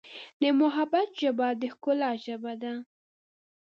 د محبت ژبه د ښکلا ژبه ده.